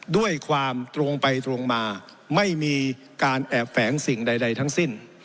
ด้วยความตรงไปตรงมาไม่มีการแอบแฝงสิ่งใดทั้งสิ้น